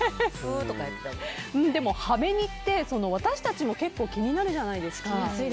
でも歯紅って私たちも気になるじゃないですか。